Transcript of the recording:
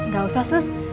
gak usah sus